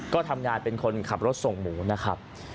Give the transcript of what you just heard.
ก็ทำงานเป็นคนขับรถส่งหมูนะครับ